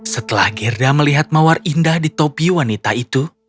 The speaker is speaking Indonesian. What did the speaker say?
setelah gerda melihat mawar indah di topi wanita itu